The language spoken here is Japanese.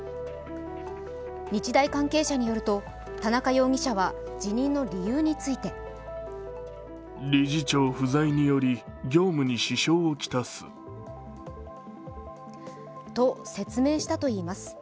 日大関係者によると田中容疑者は辞任の理由についてと説明したといいます。